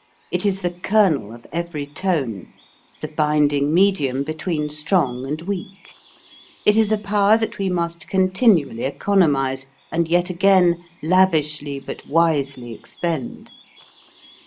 It is the kernel of every tone, the binding medium between strong and weak. It is a power that we must continually econo mize and yet again lavishly but wisely ex pend.